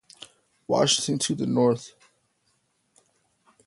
Washington to the north.